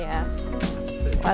ini untuk harga masuk